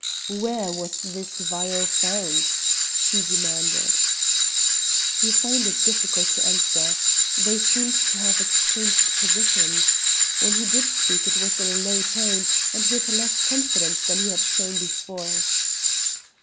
"Where was this vial found?" she demanded. He found it difficult to answer. They seemed to have exchanged positions. When he did speak it was in a low tone and with less confidence than he had shown before.